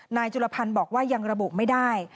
จุลพันธ์บอกว่ายังระบุไม่ได้